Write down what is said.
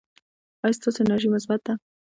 ایا ستاسو انرژي مثبت ده؟